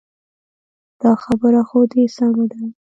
دا خبره خو دې سمه ده.